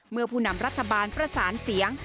ผู้นำรัฐบาลประสานเสียง